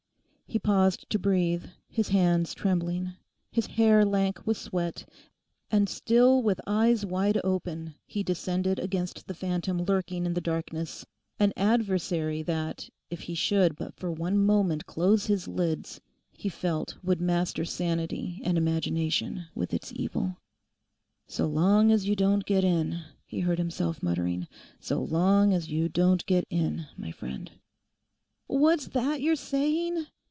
He paused to breathe, his hands trembling, his hair lank with sweat, and still with eyes wide open he descended against the phantom lurking in the darkness—an adversary that, if he should but for one moment close his lids, he felt would master sanity and imagination with its evil. 'So long as you don't get in,' he heard himself muttering, 'so long as you don't get in, my friend!' 'What's that you're saying?